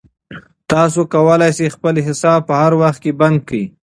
تاسو کولای شئ خپل حساب په هر وخت کې بند کړئ.